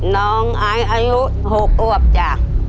น้องอายุ๖อวบจ้ะ